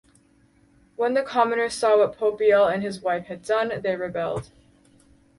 When the commoners saw what Popiel and his wife had done, they rebelled.